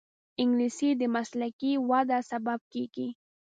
انګلیسي د مسلکي وده سبب کېږي